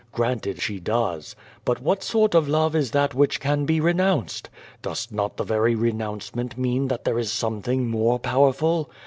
Granted she does. But what sort of love is that which "( 234 Q^^ VADI8. can be renounced? Docs not the very renouncement mean that there is something more powerful?